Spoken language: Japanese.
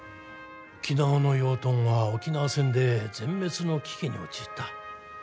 沖縄の養豚は沖縄戦で全滅の危機に陥った。